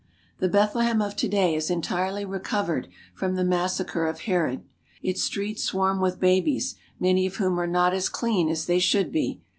The Bethlehem of to day has entirely recovered from the massacre of Herod. Its streets swarm with babies many of whom are not as clean as they should be.